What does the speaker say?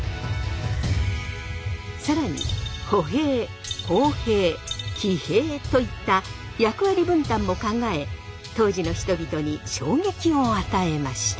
更に歩兵砲兵騎兵といった役割分担も考え当時の人々に衝撃を与えました。